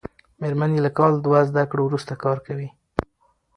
مېرمن یې له کال دوه زده کړو وروسته کار کوي.